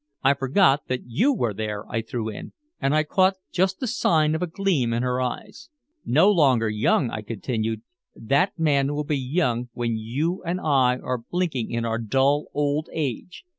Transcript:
I forgot that you were there," I threw in, and I caught just the sign of a gleam in her eyes. "No longer young?" I continued. "That man will be young when you and I are blinking in our dull old age!